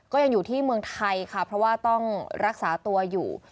ก็ยังอยู่ที่เมืองไทยค่ะเพราะว่าต้องรักษาตัวอยู่